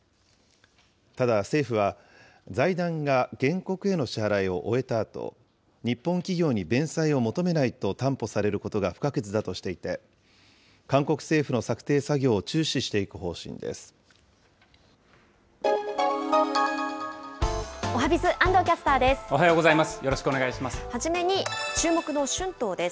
ただ、政府は、財団が原告への支払いを終えたあと、日本企業に弁済を求めないと担保されることが不可欠だとしていて、韓国政府の策定作業を注視していく方針です。